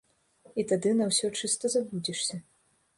І тады на ўсё чыста забудзешся.